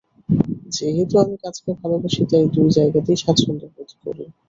যেহেতু আমি কাজকে ভালোবাসি, তাই দুই জায়গাতেই স্বাচ্ছন্দ্যবোধ করি।